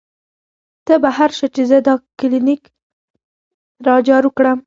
تۀ بهر شه چې زۀ دا کلینک را جارو کړم " ـ